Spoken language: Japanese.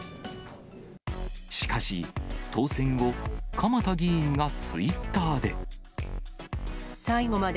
しかし、当選後、鎌田議員はツイッターで。